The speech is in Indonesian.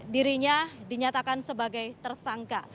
dirinya dinyatakan sebagai tersangka